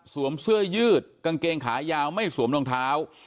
เสื้อยืดกางเกงขายาวไม่สวมรองเท้า